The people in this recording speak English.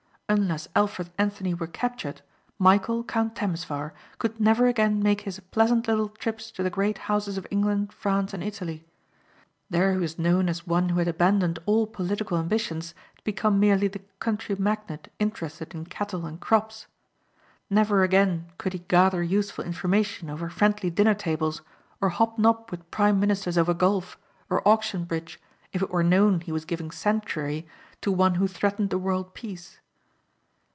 Unless Alfred Anthony were captured Michæl, Count Temesvar could never again make his pleasant little trips to the great houses of England, France and Italy. There he was known as one who had abandoned all political ambitions to become merely the country magnate interested in cattle and crops. Never again could he gather useful information over friendly dinner tables or hobnob with prime ministers over golf or auction bridge if it were known he was giving sanctuary to one who threatened the world peace.